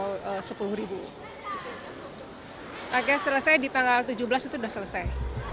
akhirnya selesai di tanggal tujuh belas itu sudah selesai